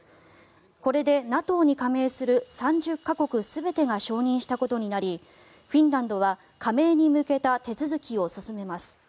これでＮＡＴＯに加盟する３０か国全てが承認したことになりフィンランドは加盟に向けた手続きを進めます。